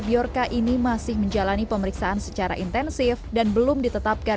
biorca ini masih menjalani pemeriksaan secara intensif dan belum ditetapkan